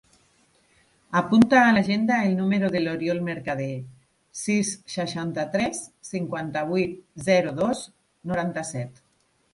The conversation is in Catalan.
Apunta a l'agenda el número de l'Oriol Mercader: sis, seixanta-tres, cinquanta-vuit, zero, dos, noranta-set.